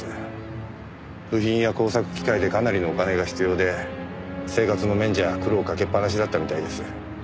部品や工作機械でかなりのお金が必要で生活の面じゃ苦労かけっぱなしだったみたいです。